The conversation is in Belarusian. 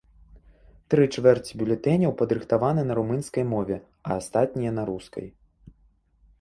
Тры чвэрці бюлетэняў падрыхтаваны на румынскай мове, а астатнія на рускай.